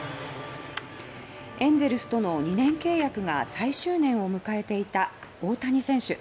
エンゼルスとの２年契約が最終年を迎えていた大谷選手。